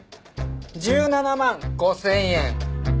１７万５０００円。